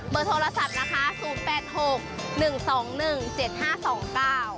เบอร์โทรศัพท์นะคะ๐๘๖๑๒๑๗๕๒๙